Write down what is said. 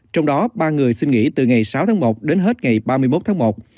trong đó ba người xin nghỉ từ ngày sáu tháng một đến hết ngày ba mươi một tháng một